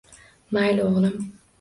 Mayli, o‘g‘lim.